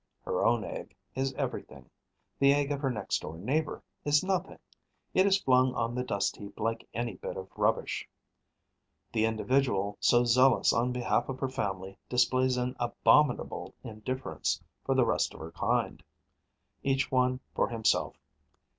Her own egg is everything; the egg of her next door neighbour is nothing. It is flung on the dust heap like any bit of rubbish. The individual, so zealous on behalf of her family, displays an abominable indifference for the rest of her kind. Each one for himself.